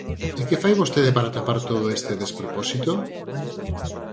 ¿E que fai vostede para tapar todo este despropósito?